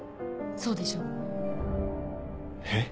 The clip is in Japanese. そうでしょ？えっ？